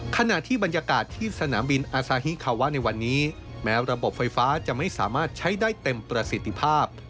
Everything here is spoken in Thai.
ขณะที่บรรยากาศที่สนามบินอาซาฮิคาวะในวันนี้แม้ระบบไฟฟ้าจะไม่สามารถใช้ได้เต็มประสิทธิภาพ